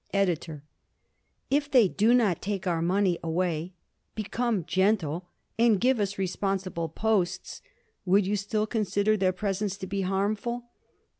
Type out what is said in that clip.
EDITOR: If they do not take our money away, become gentle, and give us responsible posts, would you still consider their presence to be harmful?